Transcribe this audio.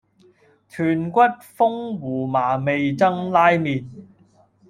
豚骨風胡麻味噌拉麵